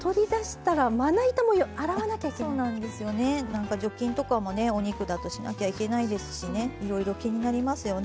何か除菌とかもねお肉だとしなきゃいけないですしねいろいろ気になりますよね。